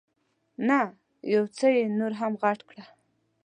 نه، یو څه یې نور هم غټ کړه.